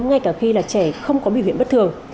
ngay cả khi là trẻ không có biểu hiện bất thường